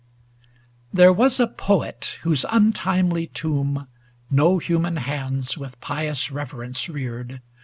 49 There was a Poet whose untimely tomb No human hands with pious reverence reared.